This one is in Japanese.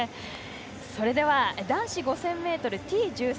それでは、男子５０００ｍＴ１３